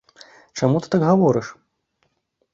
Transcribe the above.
Чаму ты так гаворыш?